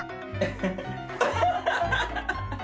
ハハハハッ！